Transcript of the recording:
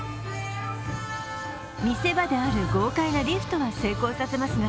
見せ場である豪快なリフトは成功させますが